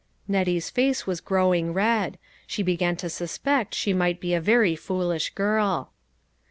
Nettie's face was growing red ; she be gan to suspect she might be a very foolish girl.